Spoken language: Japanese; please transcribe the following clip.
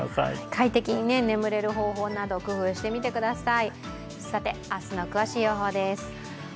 快適に眠れる方法など、工夫してみてください。